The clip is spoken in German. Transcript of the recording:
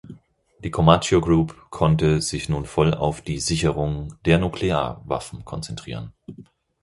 Die Comacchio-Group konnte sich nun voll auf die Sicherung der Nuklearwaffen konzentrieren.